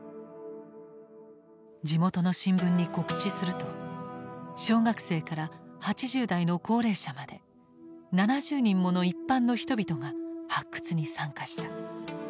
地元の新聞に告知すると小学生から８０代の高齢者まで７０人もの一般の人々が発掘に参加した。